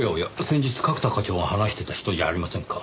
先日角田課長が話してた人じゃありませんか。